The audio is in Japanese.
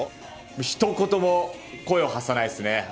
ひと言も声を発さないですね。